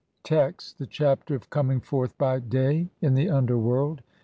Text : (1) The Chapter of coming forth by day in the UNDERWORLD.